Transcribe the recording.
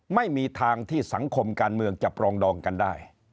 ไม่มีทางที่สังคมการเมืองจะปรองดองกันได้